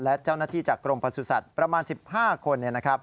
และเจ้าหน้าที่จากกรมประสุทธิ์ประมาณ๑๕คน